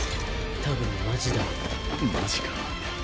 多分マジだろマジかあ